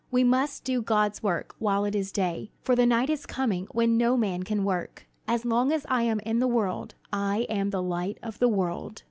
We must do God's work while it is day, for the night is coming when no man can work. As long as I am in the world, I am the light of the world."